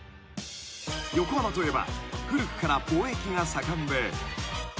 ［横浜といえば古くから貿易が盛んで］